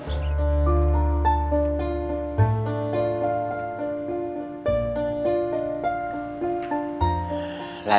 sampai jumpa lagi